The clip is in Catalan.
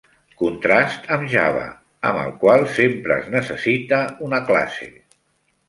Contrast amb Java, amb el qual sempre es necessita una classe.